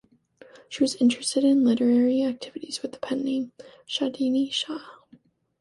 She was interested in literary activities with the pen-name "Chadani Shah".